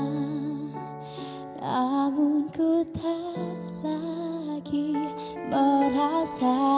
namun ku tak lagi merasa